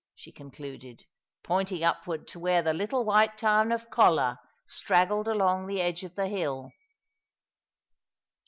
" she concluded, pointing upward to where the little white town of Colla straggled along the edge of the hill.